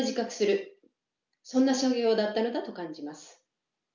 そんな作業だったのだと感じます。